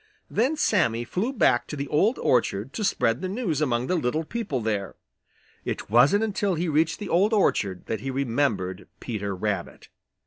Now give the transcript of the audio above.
Then Sammy flew back to the Old Orchard to spread the news among the little people there. It wasn't until he reached the Old Orchard that he remembered Peter Rabbit.